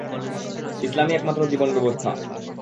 ইসলামই একমাত্র জীবন ব্যবস্থা।